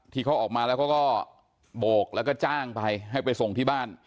ที่เขาออกมาแล้วเขาก็โบกแล้วก็จ้างไปให้ไปส่งที่บ้าน